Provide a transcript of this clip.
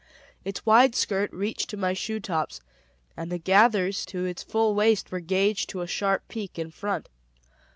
Its wide skirt reached to my shoetops, and the gathers to its full waist were gauged to a sharp peak in front.